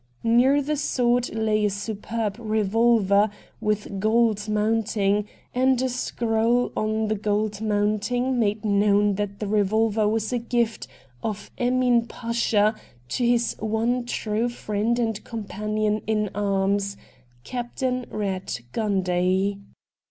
Near the sword lay a superb revolver with gold mounting, and a scroll on the o old mounting made known that the revolver was the gift of Emin Pasha ' to his one true friend and companion in arms, Captain Eatt Gundy.'